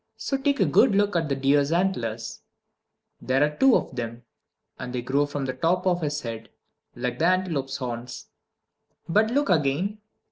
So take a good look at the deer's antlers. There are two of them, and they grow from the top of his head, like the antelope's horns. But look again.